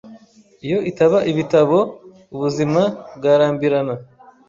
Iyo itaba ibitabo, ubuzima bwarambirana.